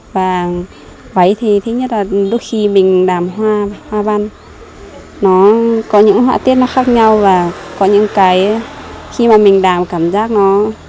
và váy thì thích nhất là lúc khi mình làm hoa hoa văn nó có những họa tiết nó khác nhau và có những cái khi mà mình làm cảm giác nó